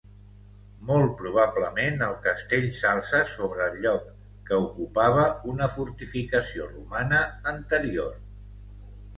Molt probablement, el castell s'alça sobre el lloc que ocupava una fortificació romana anterior.